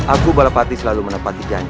aku balapati selalu menepati janji